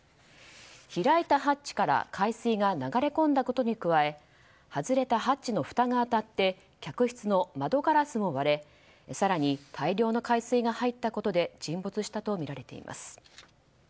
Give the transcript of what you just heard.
開いたハッチから海水が流れ込んだことに加え外れたハッチのふたが当たって客室の窓ガラスも割れ更に大量の海水が入ったことで沈没したとみられています。